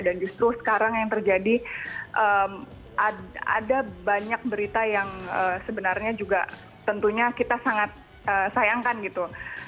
dan justru sekarang yang terjadi ada banyak berita yang sebenarnya juga tentunya kita sangat sayangkan gitu